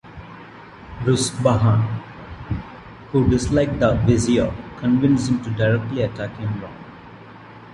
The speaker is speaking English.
Ruzbahan, who disliked the vizier, convinced him to directly attack 'Imran.